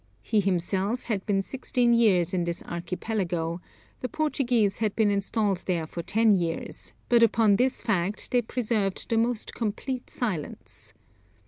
He himself had been sixteen years in this Archipelago; the Portuguese had been installed there for ten years, but upon this fact they preserved the most complete silence.